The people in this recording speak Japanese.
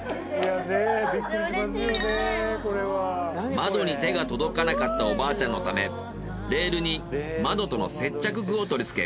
窓に手が届かなかったおばあちゃんのためレールに窓との接着具を取り付け